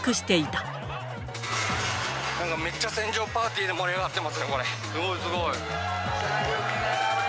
なんかめっちゃ船上パーティーで盛り上がってますよ、これ。